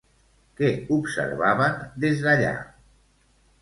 Què observaven des d'allà?